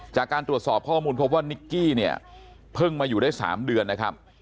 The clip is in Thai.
จากการตรวจสอบข้อมูลพบว่านิกกี้เนี่ยเพิ่งมาอยู่ได้๓เดือนนะครับ